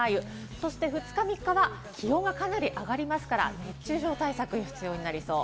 そして２日、３日は気温がかなり上がりますから熱中症対策が必要になりそう。